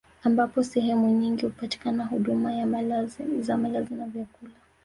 Ambapo sehemu nyingi hupatikana huduma za malazi na vyakula